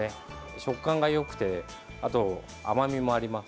食感がよくてあと、甘みもあります。